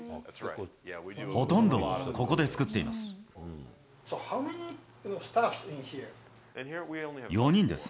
ほとんどはここで作っています。